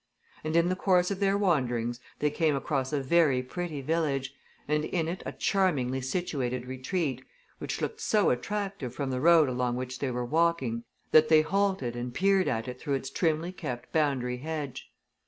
And in the course of their wanderings they came across a very pretty village, and in it a charmingly situated retreat, which looked so attractive from the road along which they were walking that they halted and peered at it through its trimly kept boundary hedge.